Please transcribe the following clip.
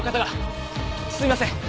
すいません。